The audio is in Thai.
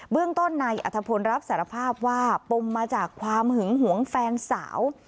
เรื่องต้นนายอัธพลรับสารภาพว่าปมมาจากความหึงหวงแฟนสาว